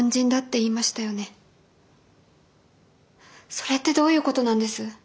それってどういうことなんです？